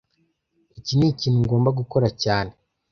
Iki nikintu ngomba gukora cyane